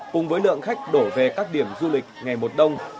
cùng với lượng khách đổ về các điểm du lịch ngày một đông